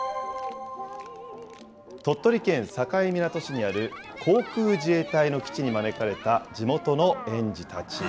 鳥取県境港市にある航空自衛隊の基地に招かれた地元の園児たち。